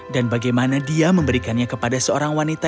dan bagaimana dia memberikannya kepada seorang wanita